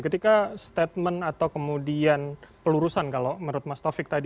ketika statement atau kemudian pelurusan kalau menurut mas taufik tadi